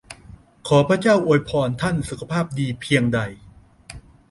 ขอพระเจ้าอวยพรท่านสุขภาพดีเพียงใด !